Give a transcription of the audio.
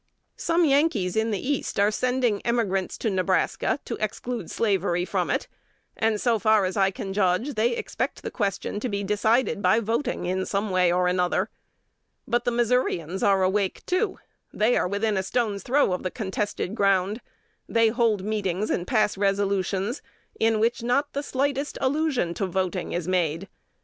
Some Yankees in the East are sending emigrants to Nebraska to exclude slavery from it; and, so far as I can judge, they expect the question to be decided by voting in some way or other. But the Missourians are awake too. They are within a stone's throw of the contested ground. They hold meetings and pass resolutions, in which not the slightest allusion to voting is made.